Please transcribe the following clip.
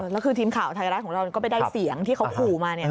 แล้วคือทีมข่าวไทยรัฐของเราก็ไปได้เสียงที่เขาขู่มา